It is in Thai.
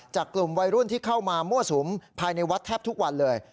กลุ่มวัยรุ่นที่เข้ามามั่วสุมภายในวัดแทบทุกวันเลย